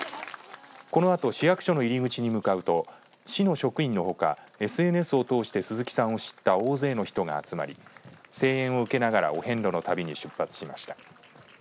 このあと市役所の入り口に向かうと市の職員のほかＳＮＳを通して鈴木さんを知った大勢の人が集まり声援を受けながらお遍路の旅に出発しました。